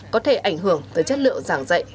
có thể ảnh hưởng tới chất lượng giảng dạy